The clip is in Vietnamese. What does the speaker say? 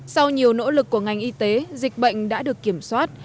sau nhiều nỗ lực của ngành y tế dịch bệnh đã được kiểm soát